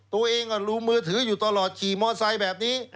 ตัวเองลืมมือถืออยู่ตลอดขี่มอไซค์แบบนี้